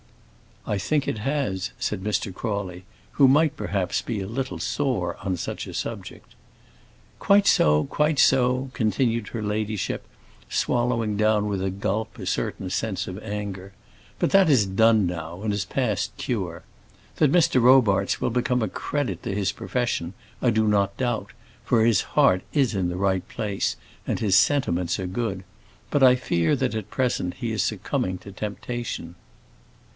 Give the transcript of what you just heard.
"I think it has," said Mr. Crawley, who might perhaps be a little sore on such a subject. "Quite so, quite so," continued her ladyship, swallowing down with a gulp a certain sense of anger. "But that is done now, and is past cure. That Mr. Robarts will become a credit to his profession, I do not doubt, for his heart is in the right place and his sentiments are good; but I fear that at present he is succumbing to temptation."